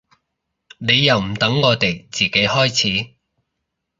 你又唔等我哋自己開始